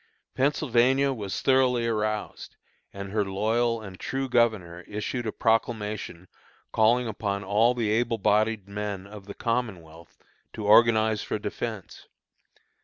Pennsylvania was thoroughly aroused, and her loyal and true governor issued a proclamation calling upon all the able bodied men of the Commonwealth to organize for defence.